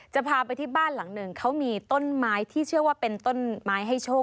จะพาไปที่บ้านหลังหนึ่งเขามีต้นไม้ที่เชื่อว่าเป็นต้นไม้ให้โชค